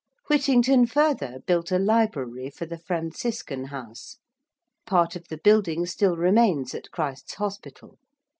Whittington, further, built a library for the Franciscan House; part of the building still remains at Christ's Hospital.